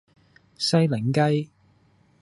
西檸雞